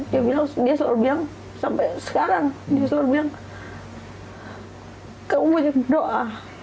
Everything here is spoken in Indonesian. dia bilang dia selalu bilang sampai sekarang dia selalu bilang kamu doa